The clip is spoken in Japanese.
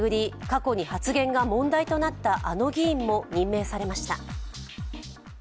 過去に発言が問題となった、あの議員も任命されました。